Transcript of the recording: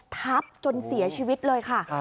ทับจนเสียชีวิตเลยค่ะ